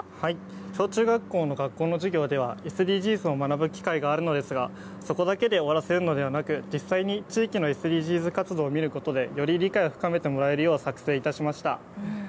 小中学校の学校の授業ではＳＤＧｓについて学ぶ機会があるのですがそこだけで終わらせるのではなく実際に地域のＳＤＧｓの活動を見ることでより深く理解できるよう作成しました。